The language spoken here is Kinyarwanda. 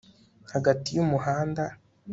hagati y'umuhanda